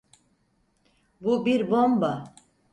Bu bir bomba.